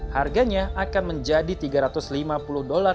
harganya akan menjadi tiga ratus lima puluh dolar